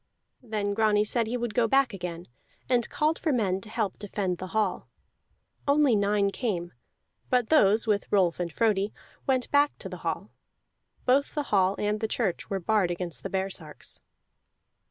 Then Grani said he would go back again, and called for men to help defend the hall. Only nine came. But those, with Rolf and Frodi, went back to the hall; both the hall and the church were barred against the baresarks.